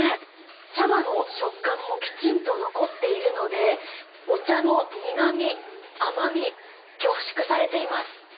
茶葉の食感もきちんと残っているので、お茶の苦み、甘み、凝縮されています。